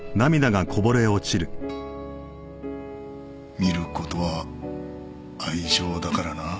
見る事は愛情だからな。